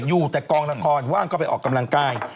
อยู่แต่กองละครว่างก็ไปออกกำลังกาย